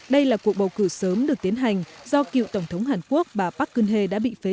đây là cuộc bầu cử sớm được tiến hành do cựu tổng thống hàn quốc bà park kune đã bị phế